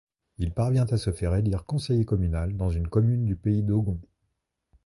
Il parvient à se faire élire conseiller communal dans une commune du Pays Dogon.